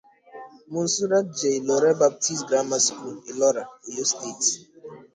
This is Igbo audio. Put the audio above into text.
Monsurat je Ilora Baptist Grammar School, Ilora, Oyo State.